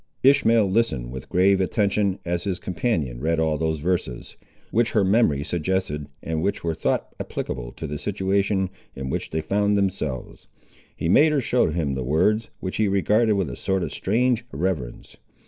Ishmael listened with grave attention, as his companion read all those verses, which her memory suggested, and which were thought applicable to the situation in which they found themselves. He made her show him the words, which he regarded with a sort of strange reverence.